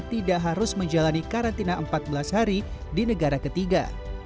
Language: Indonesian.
tidak harus menjalani karantina empat belas hari di negara ketiga